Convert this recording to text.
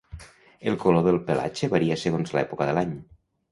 El color del pelatge varia segons l'època de l'any.